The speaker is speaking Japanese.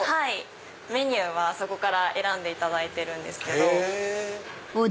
メニューはあそこから選んでいただいてるんですけど。